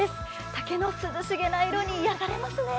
竹の涼しげな色に癒やされますね。